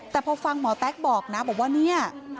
แต่พอฟังหมอแต๊กบอกนะบอกว่าเนี่ย